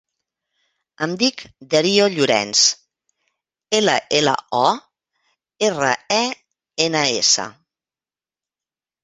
Em dic Dario Llorens: ela, ela, o, erra, e, ena, essa.